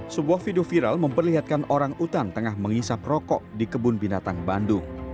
sebuah video viral memperlihatkan orang utan tengah menghisap rokok di kebun binatang bandung